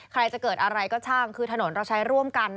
ใครจะเกิดอะไรก็ช่างคือถนนเราใช้ร่วมกัน